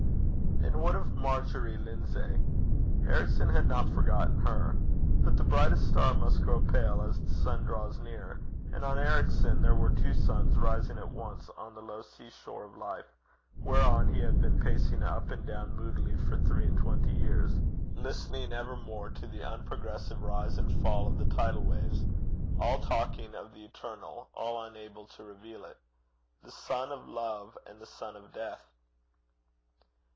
And what of Marjory Lindsay? Ericson had not forgotten her. But the brightest star must grow pale as the sun draws near; and on Ericson there were two suns rising at once on the low sea shore of life whereon he had been pacing up and down moodily for three and twenty years, listening evermore to the unprogressive rise and fall of the tidal waves, all talking of the eternal, all unable to reveal it the sun of love and the sun of death.